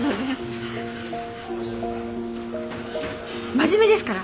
真面目ですから。